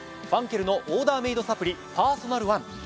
ファンケルのオーダーメイドサプリパーソナルワン。